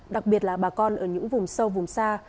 đặc biệt là bà con ở những vùng sâu vùng xa